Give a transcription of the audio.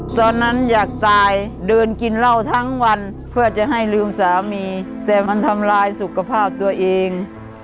ตอนนั้นอยากตายเดินกินเหล้าทั้งวันเพื่อจะให้ลืมสามีแต่มันทำลายสุขภาพตัวเอง